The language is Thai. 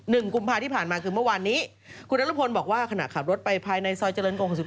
กุมภาที่ผ่านมาคือเมื่อวานนี้คุณนรพลบอกว่าขณะขับรถไปภายในซอยเจริญกงหกสิบ